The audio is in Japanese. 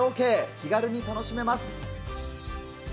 気軽に楽しめます。